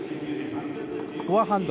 フォアハンド